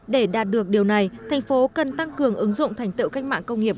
để đạt được điều này tp cần tăng cường ứng dụng thành tựu cách mạng công nghiệp bốn